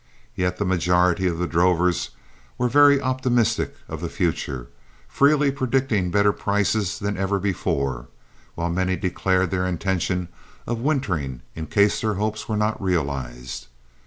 Yet the majority of the drovers were very optimistic of the future, freely predicting better prices than ever before, while many declared their intention of wintering in case their hopes were not realized.